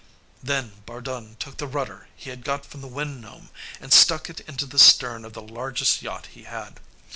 Then Bardun took the rudder he had got from the Wind Gnome, and stuck it into the stern of the largest yacht he had.